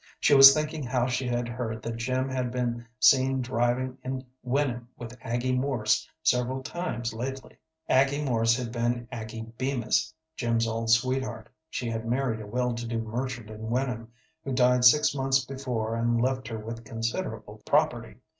She was thinking how she had heard that Jim had been seen driving in Wenham with Aggie Morse several times lately. Aggie Morse had been Aggie Bemis, Jim's old sweetheart. She had married a well to do merchant in Wenham, who died six months before and left her with considerable property.